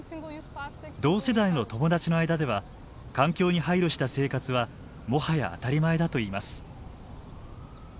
同世代の友達の間では環境に配慮した生活はもはや当たり前だといいます。